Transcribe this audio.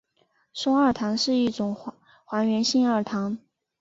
松二糖是一种还原性二糖。